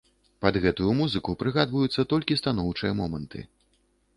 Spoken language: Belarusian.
Пад гэтую музыку прыгадваюцца толькі станоўчыя моманты.